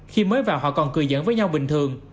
khi mới vào họ còn cười dẫn với nhau bình thường